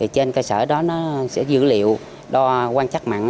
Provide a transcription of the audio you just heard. trên cơ sở đó nó sẽ dữ liệu đo quan chắc mặn